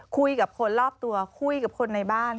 คุยกับคนรอบตัวคุยกับคนในบ้าน